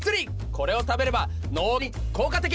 これを食べれば脳に効果的！